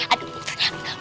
aduh diam diam